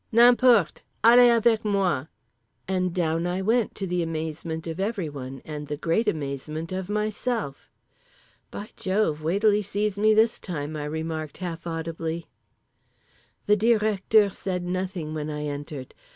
"N'importe. Allez avec moi," and down I went to the amazement of everyone and the great amazement of myself. "By Jove! wait till he sees me this time," I remarked half audibly…. The Directeur said nothing when I entered.